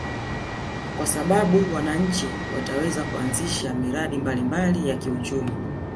Kwa sababu wananchi wataweza kuanzisha miradi mbalimbali ya kiuchumi